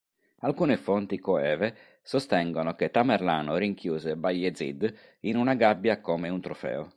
Alcune fonti coeve sostengono che Tamerlano rinchiuse Bayezid in una gabbia come un trofeo.